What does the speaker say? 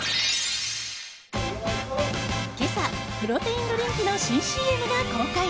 今朝、プロテインドリンクの新ＣＭが公開。